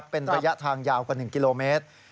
เป็นระยะทางยาวกว่า๑กิโลเมตร